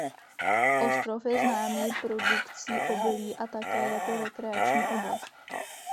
Ostrov je známý produkcí obilí a také jako rekreační oblast.